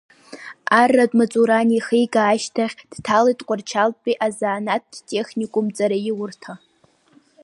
Арратә маҵура анихига ашьҭахь, дҭалеит Тҟәарчалтәи азанааҭтә-техникатә ҵараиурҭа.